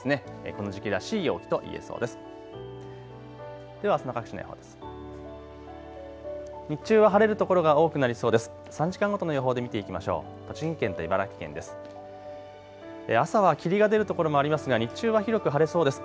この時期らしい陽気といえそうです。